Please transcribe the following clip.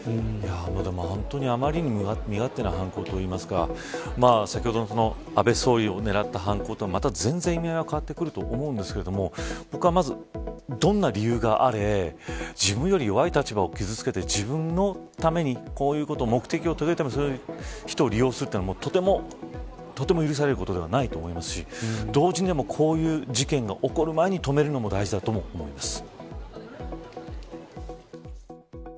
ほんとに、あまりにも身勝手な犯行といいますか先ほどの安倍元総理を狙った犯行とはまた全然、意味合いが変わってくると思うんですが僕はまず、どんな理由があれ自分より弱い立場を傷付けて自分のためにこういう目的を遂げてもそれで人を利用するのはとても許されることではないと思いますし同時にでも、こういう事件が起こる前に止めるのも大事だと思います。